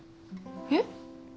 えっ？